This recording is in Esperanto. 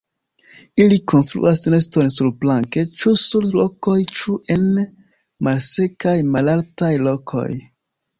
Ili konstruas neston surplanke ĉu sur rokoj ĉu en malsekaj malaltaj lokoj.